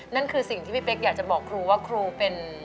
นั่นคือสิ่งที่พี่เป๊กอยากจะบอกครูว่าครูเป็น